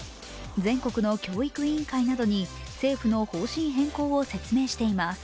全国の教育委員会などに政府の方針変更を説明しています。